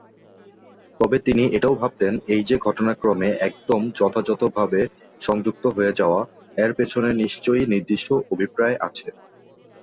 তবে তিনি এটাও ভাবতেন, এই যে ঘটনাক্রমে একদম যথাযথভাবে সংযুক্ত হয়ে যাওয়া, এর পেছনে নিশ্চয়ই নির্দিষ্ট অভিপ্রায় আছে।